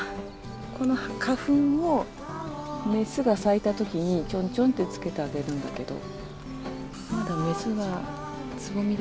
この花粉をメスが咲いたときにちょんちょんって付けてあげるんだけど。